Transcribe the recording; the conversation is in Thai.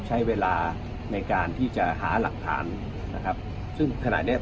ใช้เวลาในการที่จะหาหลักฐานนะครับ